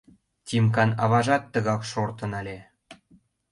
Тимкан аважат тыгак шортын ыле.